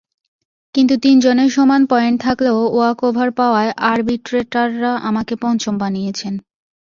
কিন্তু তিনজনের সমান পয়েন্ট থাকলেও ওয়াকওভার পাওয়ায় আরবিট্রেটাররা আমাকে পঞ্চম বানিয়েছেন।